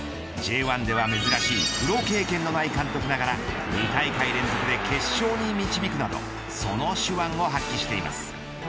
Ｊ１では珍しいプロ経験のない監督ながら２大会連続で決勝に導くなどその手腕を発揮しています。